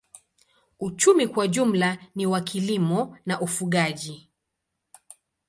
Uchumi kwa jumla ni wa kilimo na ufugaji.